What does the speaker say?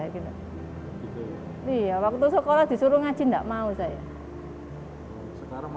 iya waktu sekolah disuruh ngaji tidak mau saya